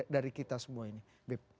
dari kita semua ini